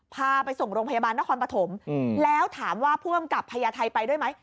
พาไปส่งโรงพยาบาลนครปฐมแล้วถามว่าผู้อำกับพญาไทยไปด้วยไหม